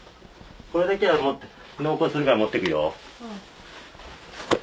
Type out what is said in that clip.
これだけは納骨するから持ってくよ。